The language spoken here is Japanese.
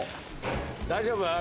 大丈夫？